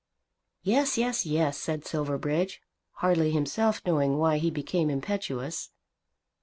"Yes, yes, yes," said Silverbridge, hardly himself knowing why he became impetuous.